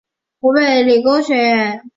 湖北理工学院